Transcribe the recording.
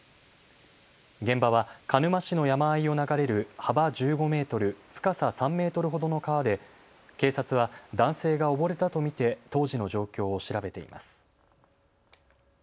現場は鹿沼市の山あいを流れる幅１５メートル、深さ３メートルほどの川で警察は男性が溺れたと見て当時の状況を調べています。